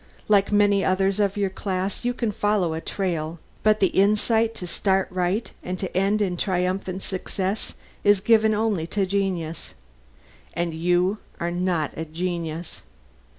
Like many others of your class you can follow a trail, but the insight to start right and to end in triumphant success is given only to a genius, and you are not a genius."